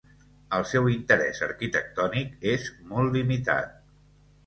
El seu interès arquitectònic és molt limitat.